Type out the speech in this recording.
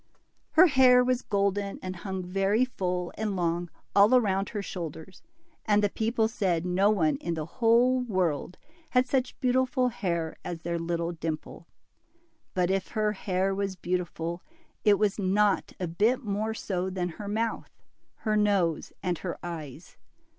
Her hair was golden, and hung very full and long all round her shoulders, and the people said no one in the whole world had such beautiful hair as their little Dimple. But if her hair was beautiful, it was not a bit more so than her mouth, her nose, and her eyes.